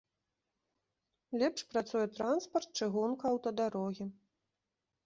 Лепш працуе транспарт, чыгунка, аўтадарогі.